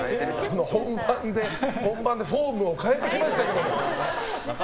本番でフォームを変えてきましたけど。